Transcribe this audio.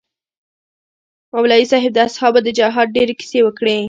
مولوي صاحب د اصحابو د جهاد ډېرې کيسې وکړې.